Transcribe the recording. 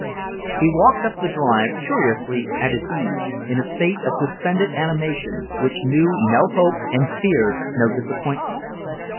He walked up the drive, curiously at his ease, in a state of suspended animation, which knew no hope and feared no disappointment.